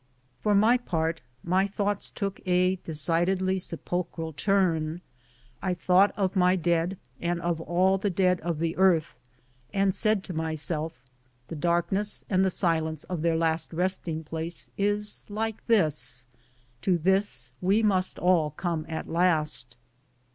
For my part, my thoughts took a decidedly sepulchral turn ; I thought of my dead and of all the dead of the earth, and said to myself, the darkness and the silence of their last resting place is like this; to this we must all come at last.